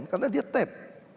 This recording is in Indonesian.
karena dia tap